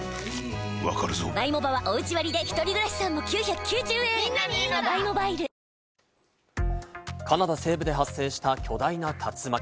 わかるぞカナダ西部で発生した巨大な竜巻。